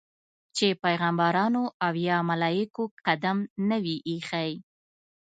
چې پیغمبرانو او یا ملایکو قدم نه وي ایښی.